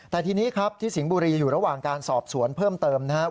แต่ทีนี้ครับที่สิงห์บุรีอยู่ระหว่างการสอบสวนเพิ่มเติมนะครับ